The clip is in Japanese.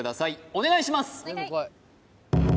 お願いします